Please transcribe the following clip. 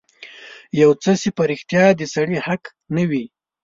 يو څه چې په رښتيا د سړي حق نه وي.